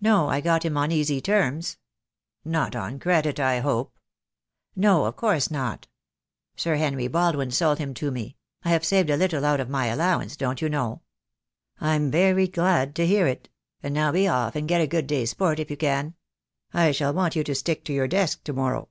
"No; I got him on easy terms." "Not on credit, I hope." "No; of course not. Sir Henry Baldwin sold him to me. I had saved a little out of my allowance, don't you know?" THE DAY WILL COME. 22 1 "I'm very glad to hear it. And now be off and get a good day's sport, if you can. I shall want you to stick to your desk to morrow."